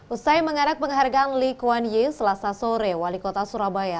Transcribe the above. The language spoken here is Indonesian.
usai mengarak penghargaan lee kuan yee selasa sore wali kota surabaya